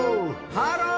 ハロー！